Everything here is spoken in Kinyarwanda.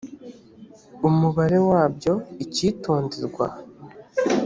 umubare wabyo icyitonderwa